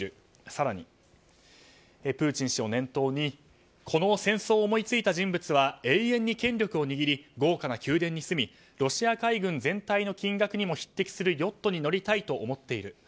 更に、プーチン氏を念頭にこの戦争を思いついた人物は永遠に権力を握り豪華な宮殿に住みロシア海軍全体の金額にも匹敵するヨットに乗りたいと思っている。